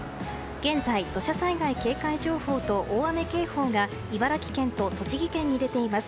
現在、土砂災害警戒情報と大雨警報が茨城県と栃木県に出ています。